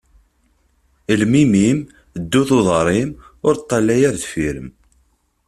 Llem imi-im, ddu d uḍar-im, ur ṭalay ɣer deffir-m.